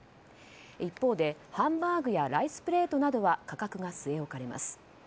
一方でハンバーグやライスプレートなどは価格が据え置かれます。